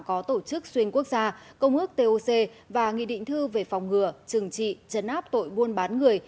có tổ chức xuyên quốc gia công ước toc và nghị định thư về phòng ngừa trừng trị chấn áp tội buôn bán người